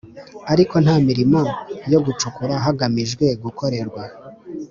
Ariko nta mirimo yo gucukura hagamijwe gukorerwa